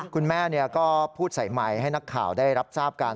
คุณแม่ก็พูดใส่ไมค์ให้นักข่าวได้รับทราบกัน